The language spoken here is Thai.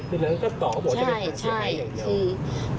คือเราก็ตอบว่าจะเป็นหลักฐานที่ให้อย่างเดียว